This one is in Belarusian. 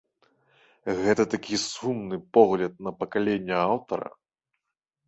Гэта такі сумны погляд на пакаленне аўтара.